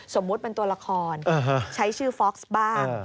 สมมุติเป็นตัวละครใช้ชื่อฟ็อกซ์บ้าง